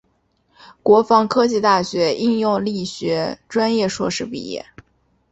国防科技大学应用力学专业硕士毕业。